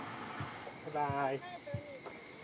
バイバーイ。